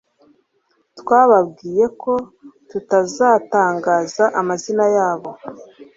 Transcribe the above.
twababwiye ko tutazatangaza amazina yabo.